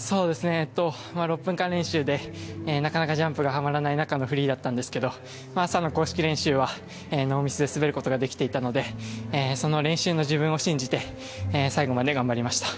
６分間練習でなかなかジャンプがはまらない中のフリーだったんですけど朝の公式練習はノーミスで滑ることができていたのでその練習の自分を信じて最後まで頑張りました。